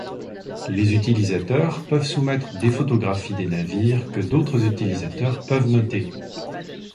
Les utilisateurs peuvent soumettre des photographies des navires que d'autres utilisateurs peuvent noter.